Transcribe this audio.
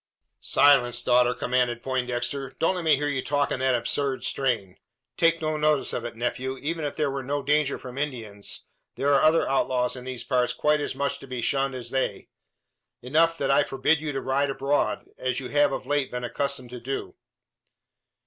"Silence, daughter!" commanded Poindexter. "Don't let me hear you talk in that absurd strain. Take no notice of it, nephew. Even if there were no danger from Indians, there are other outlaws in these parts quite as much to be shunned as they. Enough that I forbid you to ride abroad, as you have of late been accustomed to do."